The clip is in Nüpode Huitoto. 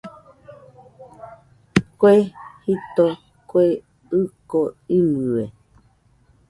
Kue jito, kue ɨko imɨe